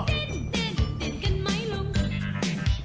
ดินดินดินกันไม่ลง